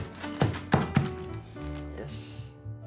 よし。